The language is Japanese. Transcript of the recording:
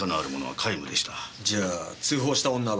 じゃあ通報した女は？